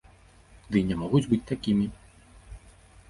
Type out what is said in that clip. Ды й не могуць быць такімі.